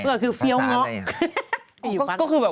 พูดเหมือนฟรรษแดนอะไร